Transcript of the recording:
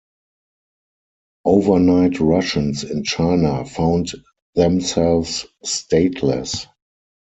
Overnight Russians in China found themselves stateless.